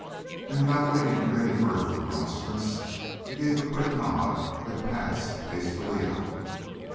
And without waiting for any further remonstrance, he gave a quick nod and passed hastily out.